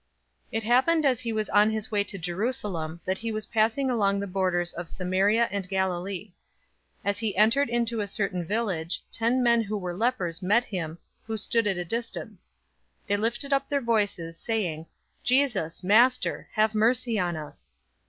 '" 017:011 It happened as he was on his way to Jerusalem, that he was passing along the borders of Samaria and Galilee. 017:012 As he entered into a certain village, ten men who were lepers met him, who stood at a distance. 017:013 They lifted up their voices, saying, "Jesus, Master, have mercy on us!"